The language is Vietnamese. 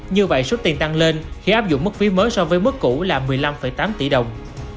như vậy số tiền tăng lên khi áp dụng mức phí mới so với mức cũ là một mươi năm tám tỷ đồng